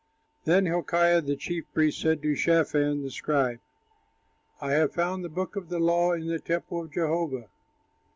Then Hilkiah, the chief priest, said to Shaphan, the scribe, "I have found the book of the law in the temple of Jehovah."